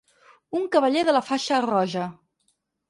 Un cavaller de la faixa roja.